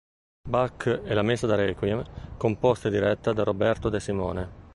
Bach e la "Messa da Requiem" composta e diretta da Roberto De Simone.